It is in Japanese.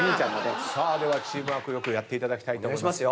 さあではチームワーク良くやっていただきたいと思います。